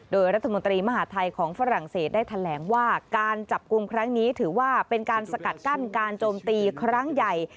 โดยรัฐมนตรีมหาทัยของฝรั่งเศสได้แถลงว่าการจับกลุ่มครั้งนี้ถือว่าเป็นการสกัดกั้นการโจมตีครั้งใหญ่